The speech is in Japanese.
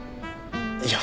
いや。